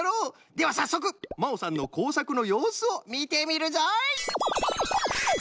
ではさっそくまおさんのこうさくのようすをみてみるぞい！